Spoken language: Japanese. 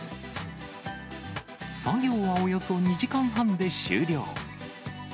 作業はおよそ２時間半で終了。